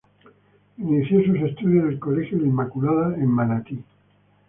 Inició sus estudios en el Colegio La Inmaculada en Manatí.